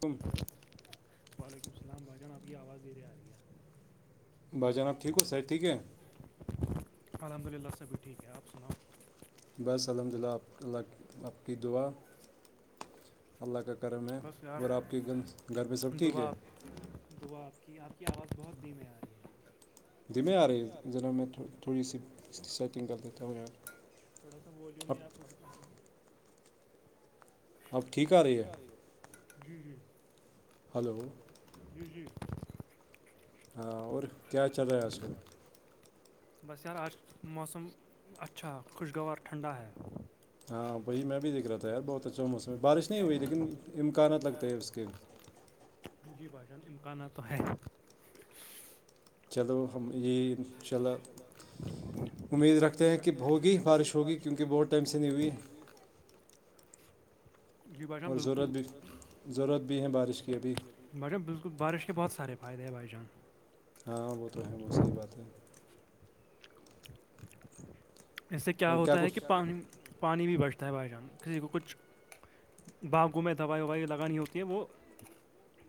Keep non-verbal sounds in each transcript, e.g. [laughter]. تم وعلیکم السلام بھائی جان آپ کی آواز دیرے آ رہی ہے بھائی جناب ٹھیک ہو سید ٹھیک ہے الحمد للہ سب بھی ٹھیک ہے آپ سناؤ بس الحمد للہ آپ اللہ آپ کی دعا اللہ کا کرم ہے اور آپ کے گھر پہ سب ٹھیک ہے دعا آپ کی آپ کی آواز بہت دم میں آ رہی ہے دبے یار یہ جناب میں تھوڑی سی سیٹنگ کر دیتا یار تھوڑا سا بوجوں میں آپ کرھر پائیں گے بب کی آ رہی ہے جی جی ہلو [inaudible] ہاں اور کیا چل رہا ہے آج کل بس یار آج موسم اچھا خوشگوار ٹھنڈا ہے ہاں وہھی میں بھی دیککھ رہا تھا ی بہت اچھا موسم ہے بارش نہیں ہوئی لیکن امکانات لگتا ہے اس کے جی بھائی جان امکانات تو ہے چلو یہ چلو امید رکھتے ہیں کہ ہوگی بارش ہوگی کیونہ بہت ٹیککسی نہیںییر جی بھائی جان بلکل ضورت بھی ہے بھائی جان بالکل بارش کے بہت سارے فائدے ہیں بھائی جان ہاں وہ تو ہیں وہ صحیح بات ہے اس سے کیا ہوتا ہے کہ پانی پانی بھی بچتا ہے بائی جان کسی کو کچھ باغوں میں دوائی وائی لگانی ہوتی ہیں وہ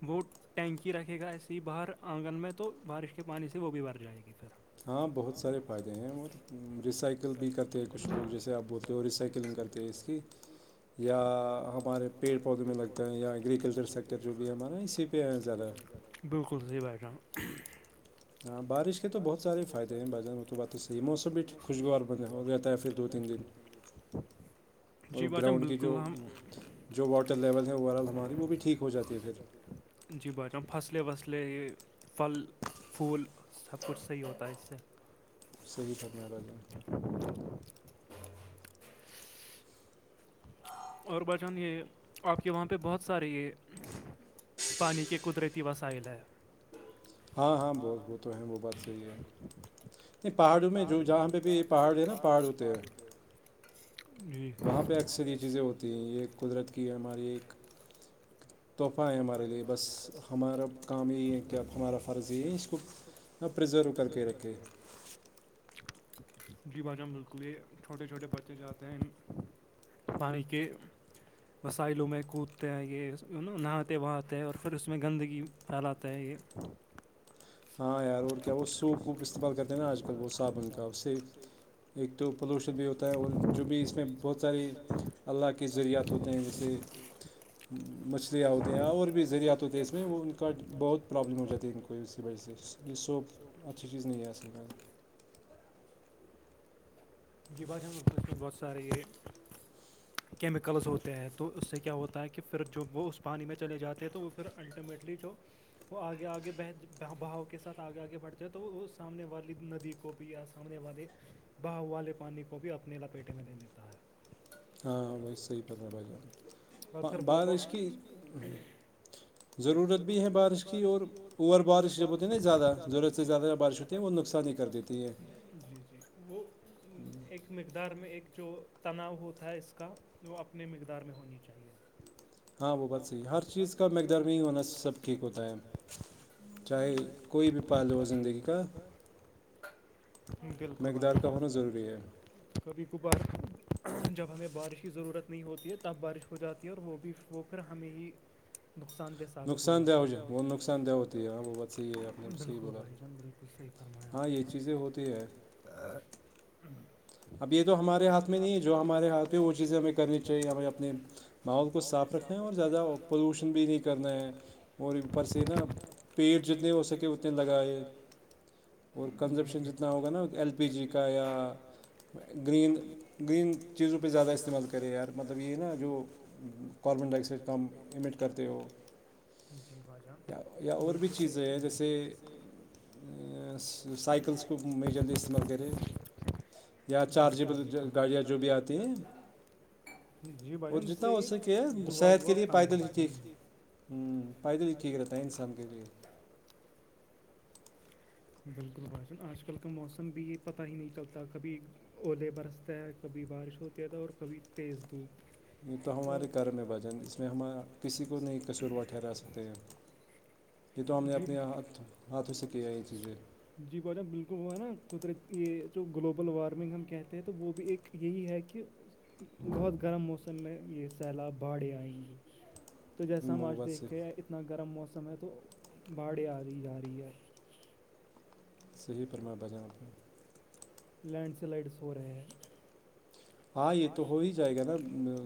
وہ ٹینکی رکھے گا ایس ہی باہر آنگن میں تو بارش کے پانی سے وہ بھی بھر جائے گی پھر ہاں بہت سارے فائدے ہیں اور ریسائیکل بھی کرتے ہیں کچھ لوگ جیسے آپ بولتے ہو ریسائکلنگ کرتے ہیں اس کی یا ہمارے پیڑ پودوں میں لگتے ہیں یا ایگریکلچر سیکٹر جو بھی ہمارا اسی پہ ہیں زیادہ بالکل صحیح بات ہاں بارش کے تو بہت سارے فائد ہیں بازار تو بات تو صحیح موسم بھی خوشگوار بن ہو رہتا ہے پھر دو تین دن اور گراؤنڈ کی جو جو واٹر لیول ہیں اوور آل ہماری وہ بھی ٹھیک ہو جاتی ہے پھر جی بادرام فصلے وصلے یہ پھل پھول سب کچھ صحیح ہوتا ہے اس سے صحیح کرنے والازے [inaudible] اور بھائی جان یہ آپ کے وہاں پہ بہت سارے یہ پانی کے قدرتی وسائل ہے ہاں ہاں بوس وہ تو ہیں وہ بات صحیح ہے نہیں پہاڑوں میں جو جہاں پہ بھی پہاڑ ہے نا پہاڑ ہوتے ہیں وہاں پہ اکثر یہ چیزیں ہوتی ہیں یہ قدرت کی ہے ہماری ایک تحفہ ہے ہمارے لیے ہماری کام ہی یہی ہے بس آپ پرریزرو کر کے رکھے جی بجاہ ملک ہوئے چھوٹے چھوٹے بچے جاتتے ہیں [inaudible] وسائلوں میں کودتے ہیں یہ نہاتے باتے ہیں اور پھر اس میں گندگی پھیلاتے ہیں یہ ہاں یار اور کیا وہ سوپ ووپ استعمال کرتے ہیں نا آج کل وہ صابن کا سے ایک تو پولوشن بھی ہوتا ہے اور جو بھی اس میں بہت ساری اللہ کے ذروریات ہوتے ہیں جیسے ہوں مچھلیاں ہوتی ہیں اور بھی ذرعت ہوتے ہیں اس میں وہ ان کا بہت پرابلم ہو جاتی ہے ان کو اس سے یہ سوپ ات چیزنی نہیں آ کر جی بعشاہس میں بہت سارے یہ [inaudible] کیمیکلز ہوتے ہیں تو اس سے کیا ہوتا ہے کہ پھر جب وہ اس پانی میں چلے جاتے ہیں تو وہ پھر الٹیمیٹلی جو وہ آگے آگے بہھج بہاؤ کے ساتھ آگے آگے بڑھتے ہے تو وہ سامنے والی ندی کو بھی یا سامنے والے با والے پانی کو بھی اپنے لپیٹے میں لے لیتا ہے ہاں بیس صحیح پت رہ بھائی جان بارش کی ضرورت بھی ہے بارش کی اور اوور بارش جوب بولتے ہے نہیںا زیادہ ضرورت سے زیادہ بارش وہ نقصان ہی کر دیتی ہے جی جی وہ ایک مقدار میں ایک جو تناؤ ہوتا ہے اس کا وہ اپنے مقدار میں ہونی چاہیے ہاں وہ بات صحیح ہے ہر چیز کا مقدار میں ہی ہونا سب ٹھیک ہوتا ہے چاہے کوئی بھی پ لو زندگی کا بالکل بھائی کبھی کبھار جب ہمیں بارش کی ضرورت نہیں ہوتی ہے تب بارش ہو جاتی ہے اور وہ بھی وہ پھر ہمیں ہی نقصان دہ سک ہے ج بالکل بھائی جان بکل تو صحی فرمایا اب یہ تو ہمارے ہاتھ میں نہیں ہے جو ہمارے ہاتھ پ وہ چیزیں ہمیں کرنی چاہیے ہمیں اپنے ماحول کو صاف رکھنا اور زیادہ پولوشن بھی نہیں کرنا ہے اور اوپر سے نا پیڑ جتنے ہو سکے اتنے لگائے اور کنزپشن جتنا ہوگا نا ایل پی جی کا یا [unintelligible] گرین گرین چیزوں پہ زیادہ استعمال کرے یار مطلب یہ نا جو کاربن ڈائی آکسائڈ کام امٹ کرتے ہو یا اور بھی چیزیں ہیں جیسے سائیکلس کو میجرلی استعمال کرے یا چارجیبل گاڑیاں جو بھی آتی ہیں اور جتنا ہو سکے صحت کے لیے پائیدل ہی ٹھیک پائیدل ہی ٹھیک رہتا ہے انسان کے لیے بالکل بھاشند آج کل کا موسم بھی یہ پتہ ہی نہیں چلتا کبھی اولے برستے ہیں کبھی بارش ہوتی تھا اور کبھی تیز دھوپ تو ہماری گار میں بجیں اس ہم کسی کو شروعات کر سکتے جی میں جی ب جان بالکل وہ ہے نا قدرتی یہ جو گلوبل وارمنگ ہم کہتے ہیں تو وہ بھی ایک یہی ہے کہ بہت گرم موسم میں یہ سیلاب باڑھیں آئیں گی تو جیسا ہم آج دیکھے اتنا گرم موسم ہے تو باڑھیں آ رہی جا رہی ہے صحیح پر میں بجانوں لینڈ سلائڈس ہو رہے ہیں ہاں یہ تو ہو ہی جائے گا نا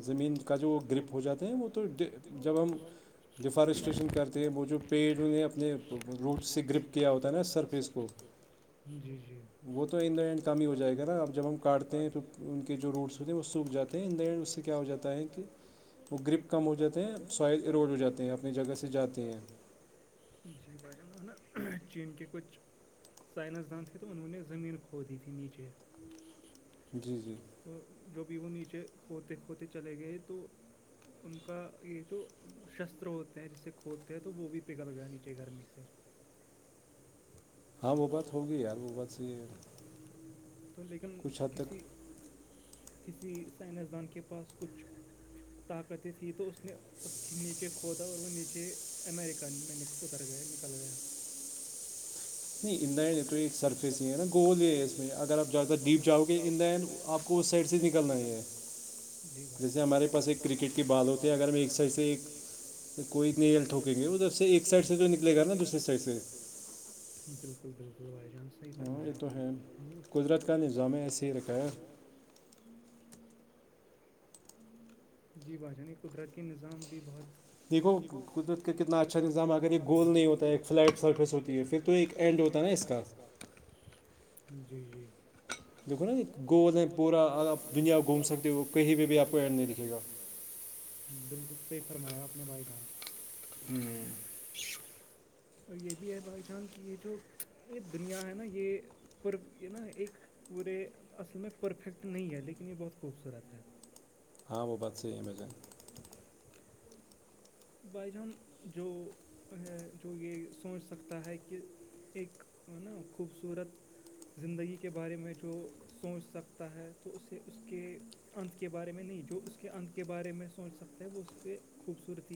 زمین کا جو گرپ ہو جاتے ہیں وہ تو جب ہم ڈیفارسٹیشن کرتے وہ جو پیڑ انہیں اپنے روٹ سے گرپ کیا ہوتا ہے نا سرفیس کو وہ تو ان دا اینڈ کم ہی ہو جائے گا نا اب جب ہم کاٹتے ہیں تو کے جو روٹس ہوتے ہیں وہ سوکھ جاتے ہیں ان دا اینڈ اس سے کیا ہو جاتا ہے کہ وہ گرپ کم ہو جاتے ہیں شاید روڈ ہو جاتے ہیں اپنی جگہ سے جاتے ہیں جی بان نا چین کےے کچھ سائنس دان تھے تو انہوں نے زمین کھو دی تھی نیچے جی جی تو جو بھی وہ نیچے کھوتے کھوتے چلے گئے تو ان کا یہ جو شستر ہوتے ہیں جسے کھودتے ہیں تو وہ بھی پگھل گیا نیچے گرمی سے ہاں وہ بات ہوگی یار وہ بات صاہی ہےیار تو لیکن کسی کسی سائنسدان کے پاس کچھ طاقتیں تھھی تو اس نے اس کے نیچے کھوودا اور وہ نیچے امیرکا میں نک اتر گئے نکل گیا نہیں اندین تو ایک سرفیس ہی ہے نا گول یہ ہے اس میں اگر آپ جاا ڈیپ جاؤ گے اندن آپ کو سائڈ سے نکلنا ہے جی بھائی جیسے ہمارے پاس ایک کرکٹ کی بال ہوتی ہے اگر ہم ایک سائڈ سے کوئی نیل ٹوکیں گے وہ جب سے ایک سائڈ سے جو نکلے گا نا دوسرے سائڈ سے بالکل بالکل بائی چانس ہاں یہ تو ہے قدرت کا نظام ہے ایسے ہی رکھا ہے [unintelligible] جی بھاشانی قدرت کے نظام بھی بہت دیکھو قدرت کا کتنا اچھا نظام اگر یہ گول نہیں ہوتا ہے ایک فلیٹ سرفس ہوتی ہے پھر تو ایک تو ایک اینڈ ہوتا نا اس کا جی جی [inaudible] [inaudible] اور یہ بھی ہے بھائی جان کہ یہ جو دنیا ہے نا یہ پر یہ نا ایک پورے اصل میں پرفیکٹ نہیں ہے لیکن یہ بہت خوبصورت ہے ہاں وہ بات سحیح ہے [inaudible] بھائی جان جو ہے جو یہ سوچ سکتا ہے کہ ایک ہے نا خوبصورت زندگی کے بارے میں جو سوچ سکتا ہے تو اسے اس کے انت کے بارے میں نہیں ان کے بارے میں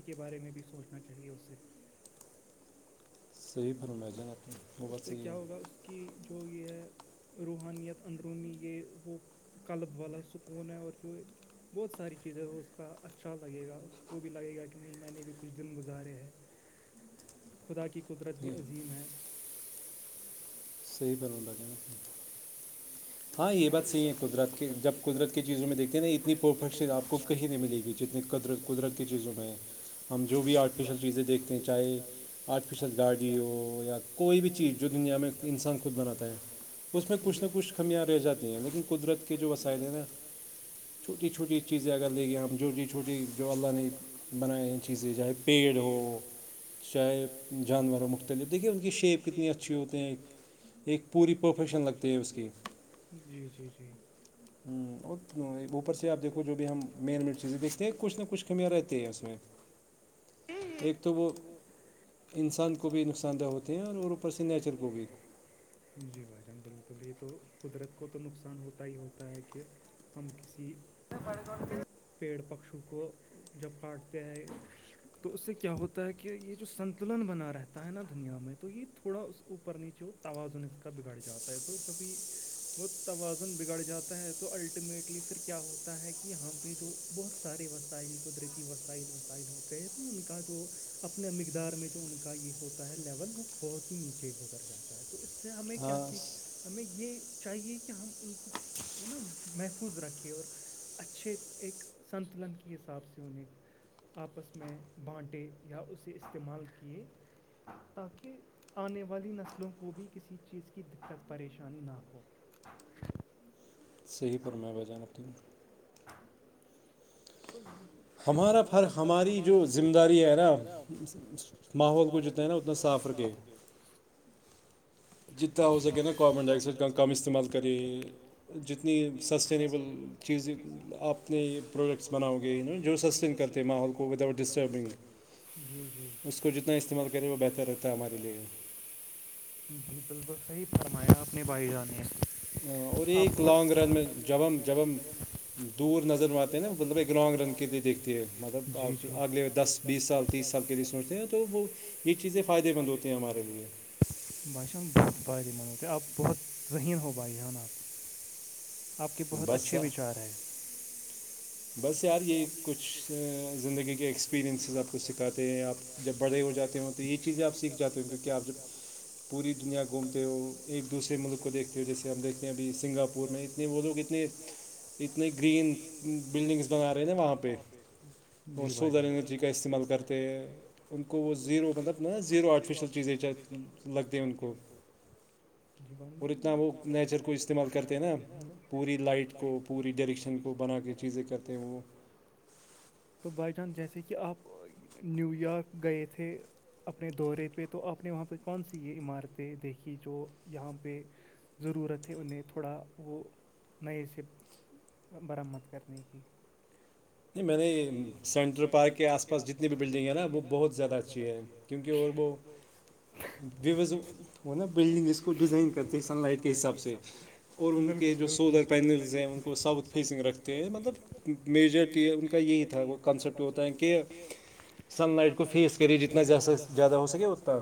کے بارے میں صحیح فرمایا آپ [inaudible] کی جوگی ہے روحانیت اندرونی یہ وہ کلب والا سکون ہے اور جو بہت ساری چیزیں اس کا اچھا لگے گا اس کو بھی لگے گا کہ نہیں میں نے بھی کچھ دن گزارے ہیں خدا کی قدرت بھی عظیم ہے صحیح تھا یہ بس یہ قدرت کے جب قدرت کی چیزوں میں دیکھتے ہیں اتنی پروفیشن اپ کو کہیں نہیں ملے گی جتنی قدرت کی چیزوں میں ہم جو بھی ارٹیکل چیزیں دیکھتے ہیں چاہے کوئی بھی چیز جو دنیا میں انسان خود بناتا ہے اس میں کچھ نہ کچھ خامیاں رہ جاتی ہیں لیکن قدرت کے جو وسائل ہیں نا چھوٹی چھوٹی چیزیں اگر دیکھیں ہم جھوٹی چھوٹی جو اللہ نے بنائے ہیں چیزیں جائے پیڑ ہو چاہے جانور مختلف دیکھیں ان کی شیپ کتنی اچھی ہوتی ہیں پوری پروفیشن لگتی ہے اس کی جی جی جی کچھ نہ کچھ تو میں رہتے ہیں اس میں ایک تو وہ انسان کو بھی نقصان دہ ہوتے ہیں جی بھائی جان قدرت کو بھی نقصان ہوتا ہی ہوتا ہے کہ ہم کسی پلیٹ بکھی کو تو اس سے کیا ہوتا ہے کہ یہ جو سنتلن بنا رہتا ہے نا دنیا میں تو یہ تھوڑا اس کو اوپر نیچے کب گاڑی جاتا ہے تو چوپی توازن بگڑ جاتا ہے تو الٹیمیٹلی پھر کیا ہوتا ہے کہ یہاں پہ جو بہت سارے وسائل قدرتی وسائل وسائل ہوتے ہیں تو ان کا جو اپنے مقدار میں جو ان کا یہ ہوتا ہے لیول وہ بہت ہی نیچے گزر جاتا ہے تو اس سے ہمیں کیا سیک ہمیں یہ یہ کہ ہم ان کو نا محفوظ رکھے اور اچھے ایک سنتلن کی حساب سے انہیں اپس میں بانٹے یا اسے استعمال کیے تاکہ انے والی نسلوں کو بھی کسی چیز کی پریشانی نہ ہو صحیح فرمایا ہمارا فر ہماری جو ذمہ داری ہے نا ماحول کو جتنا ہے نا اتنا صاف رکھے استعمال کر جتنی سس چیز اپ نے پروڈکٹ بناؤ بالکل صحیح فرمایا بھائی جان اپ نے جی جی اپ بہت ذہین ہو بھائی جان اپ اپ کی بہت اچھی بچار ہے بس یار یہ کچھ زندگی کے ایکسپیرینسز اپ کو سکھاتے ہیں اپ جب پڑے ہو جاتے ہیں تو یہ چیزیں آپ سیکھ جاتے ہو کیونکہ آپ جب پوری دنیا گھومتے ہو ایک دوسرے ملک کو دیکھتے ہو جیسے ہم دیکھتے ہیں ابھی سنگاپور میں اتنے وہ لوگ اتنے اتنے گرین بلڈنگس بنا رہے ہیں نا وہاں پہ اور سولر انرجی کا استعمال کرتے ہیں ان کو وہ زیرو مطلب نا زیرو آرٹیفیشیل چیزیں لگتے و ان کوب جی اور اتنا وہ نیچر کو استعمال کرتے ہیں نا پوری لائٹ پوری ڈائریکشن کو بنا کے چیزیں چیز کرتے تو بائی چانس جیسے کہ آپ نیو یارک گئے تھے اپنے دورے پہ تو آپ نے وہاں پہ کون سی یہ عمارتیں دیکھی جو یہاں پہ ضرورت ہے انہیں تھوڑا وہ نئے سے مرمت کرنے کی نہیں میں نے سینٹرل پارک کے آس پاس جتنی بھی بلڈنگ ہے نا وہ بہت زیادہ اچھی ہے کیونکہ اور وہ بیی بس وہ نا بلڈنگ اس کو ڈیزائن کرتے سن لائٹ کے حساب سے اور ان کے جو سولر پینلز ہیں ان کو ساؤتھ فیسنگ رکھتے ہیں مطلب میجر کہ ان کا یہی تھا وہ کنسیپٹ ہوتا ہے کہ سن لائٹ کو فیس کریے جتنا زیادہ ہو سکے اتنا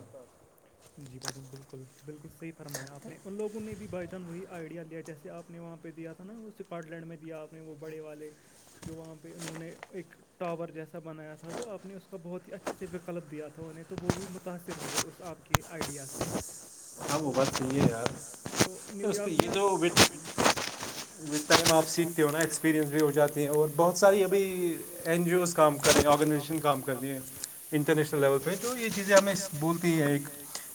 جی باجان بالکل بالکل صحیح فرمایا آپ نے ان لوگوں نے بھی بائی چانس وہی آئیڈیا لیا جیسے آپ نے وہاں پہ دیا تھا نا وہ اسکاٹ لینڈ میں دیا آپ نے وہ بڑے والے جو وہاں انہوں نے ایک ٹاور جیسا بنایا تھا تو آپ نے اس کا بہت ہی اچھے سے وکلپ دیا تھا انہیں تو وہ بھی متاثر ہوئے اس آپ کے آئیڈیا سے وہ بات چیے یار اس پہ یہ جو م آپ سیکھتے ہو نا ایکسپرینس بھی ہو جاتی ہیں اور بہت ساری ابھی این جی اوز کام کر رہی ہیں آرگنائزیشن کام کر رہ ہیں انٹرنیشنل لیول پہ تو یہ چیزیں ہمیں بولتی ہیں ایک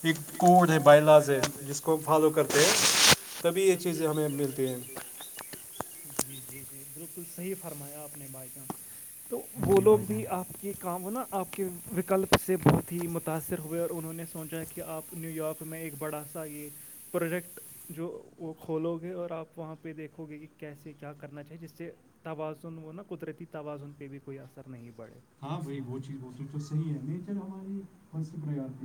ایک کوڈ ہے بائی لز جس کو ہم فالو کرتے ہیں تبھی یہ چیزیں ہمیں ملتی ہیں جی جی جی بالکل صحیح فرمایا آپ نے بائی چانس تو وہ لوگ بھی آپ یہ کام ہو نا آپ کے وکلپ سے بہت ہی متاثر ہوئے اور انہوں نے سوچا کہ آپ نیو یارک میں ایک بڑا سا یہ پروجیکٹ جو وہ کھولو گے اور آپ وہاں پہ دیکھو گے کہ کیسے کیا کرنا چاہیے جس سے توازن وہ نا قدرتی توازن پہ بھی کوئی اثر نہیں پڑے ہاں بھائی وہ چیز وہ چیز تو صحیح ہے نیچر ہماری ف